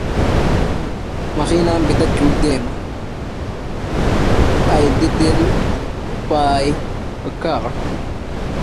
لنسمع تفسير توم بدايةً.